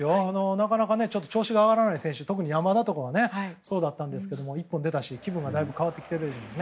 なかなか調子が上がらない選手山田とかはそうだったんですけども１本出たし気分もだいぶ変わってきているかと。